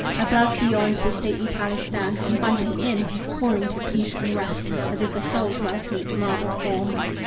Above, beyond, the stately palace stands, Inviting in, calling to peace and rest, As if a soul dwelt in its marble form.